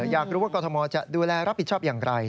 อยากรู้ว่ากรทมจะดูแลรับผิดชอบอย่างไร